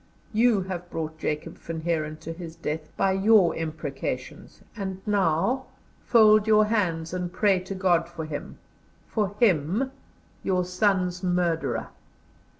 You have brought Jacob Van Heeren to his death by your imprecations, and now, fold your hands and pray to God for him for him, your son's murderer.